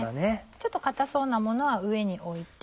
ちょっと硬そうなものは上に置いて。